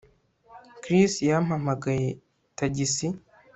Chris yampamagaye tagisi